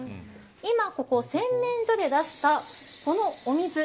今ここ、洗面所で出したこのお水。